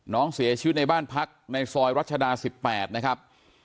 น้องเสียชีวิตในบ้านพักในซอยรัชดา๑๘นะครับ